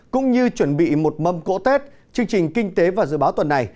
cũng như chuẩn bị một mâm cỗ tết chương trình kinh tế và dự báo tuần này